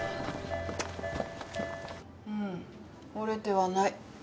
うん折れてはない。